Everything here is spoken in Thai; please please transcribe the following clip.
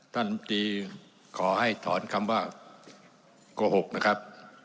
ลำตีขอให้ถอนคำว่าโกหกนะครับ